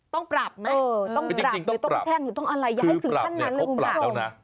ต้องปรับไหมไม่จริงต้องปรับคือปรับเนี่ยเขาปรับแล้วนะ